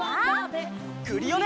クリオネ！